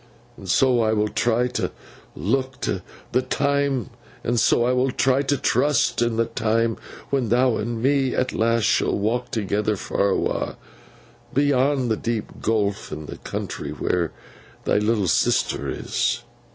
And so I will try t' look t' th' time, and so I will try t' trust t' th' time, when thou and me at last shall walk together far awa', beyond the deep gulf, in th' country where thy little sister is.